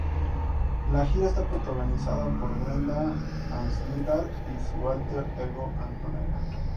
La gira está protagonizada por Brenda Asnicar y su álter ego: Antonella.